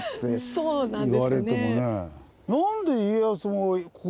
そうなんですよね。